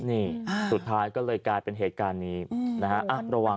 นี่สุดท้ายก็เลยกลายเป็นเหตุการณ์นี้นะฮะระวัง